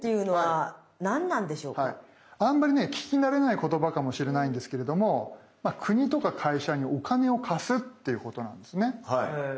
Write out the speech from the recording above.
あんまりね聞きなれない言葉かもしれないんですけれども国とか会社にお金を貸すっていうことなんですね。